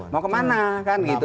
mau kemana kan gitu